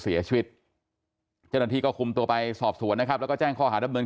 เสียชีวิตเจ้าหน้าที่ก็คุมตัวไปสอบสวนนะครับแล้วก็แจ้งข้อหาดำเนิน